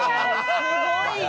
すごいな！